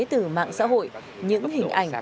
từ mạng xã hội những hình ảnh